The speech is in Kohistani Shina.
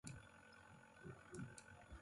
موْس زمَس ولے سیْس کوْݨ نہ دِینو۔